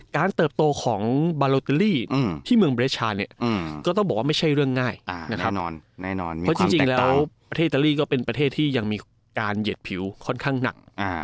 การเติบโตของบาโลเตอลี่ที่เมืองเบรสชาถีย์เนี่ยกลับบอกว่าไม่ใช่เรื่องง่ายว่าหิตเข้าประเทศที่ยังมีการเหย็ดผิวค่อนข้างหนัก